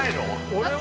俺は。